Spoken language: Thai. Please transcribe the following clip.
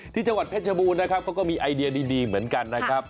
ที่จังหวัดเพชรบูรณ์นะครับเขาก็มีไอเดียดีเหมือนกันนะครับ